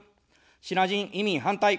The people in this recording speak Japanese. シナ人移民反対。